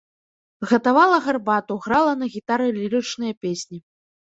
Гатавала гарбату, грала на гітары лірычныя песні.